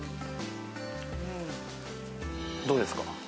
どうですか？